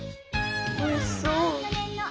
おいしそう。